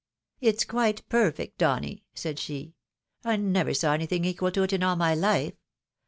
" It's quite perfect, Donny," said she, " I ns\er saw anything equal to it in aU my life.